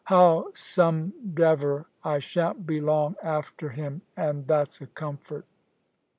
Howsomdever, I shan't be long after him, and that's a comfort."